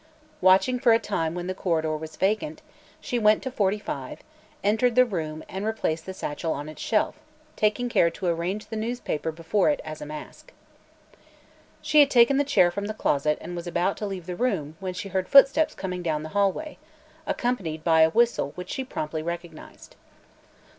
Watching for a time when the corridor was vacant, she went to 45, entered the room and replaced the satchel on its shelf, taking care to arrange the newspaper before it as a mask. She had taken the chair from the closet and was about to leave the room when she heard footsteps coming down the hallway, accompanied by a whistle which she promptly recognized.